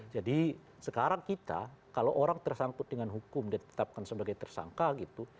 jadi sekarang kita kalau orang tersangkut dengan hukum dan ditetapkan sebagai tersangka gitu